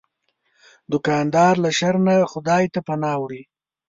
دوکاندار له شر نه خدای ته پناه وړي.